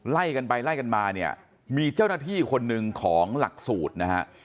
ไล่กันไปไล่กันมาเนี่ยมีเจ้าหน้าที่คนหนึ่งของหลักสูตรนะฮะ